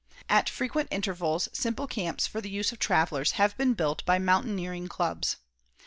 At frequent intervals simple camps for the use of travelers have been built by mountaineering clubs.